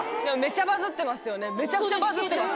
めちゃくちゃバズってます。